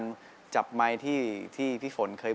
ร้องสิทธิ์สุดท้าย